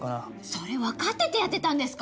それわかっててやってたんですか？